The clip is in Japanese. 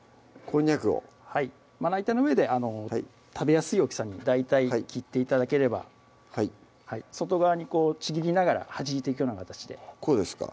こんにゃくをまな板の上で食べやすい大きさに大体切って頂ければはい外側にこうちぎりながらはじいていくような形でこうですか？